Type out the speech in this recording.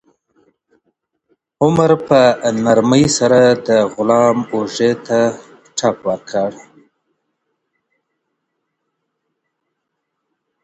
عمر په نرمۍ سره د غلام اوږې ته ټپ ورکړ.